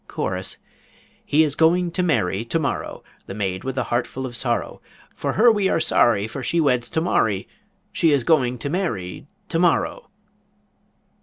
CHORUS: "He is go ing to marry to morrow The maid with a heart full of sorrow; For her we are sorry For she weds to morry She is go ing to marry to morrow.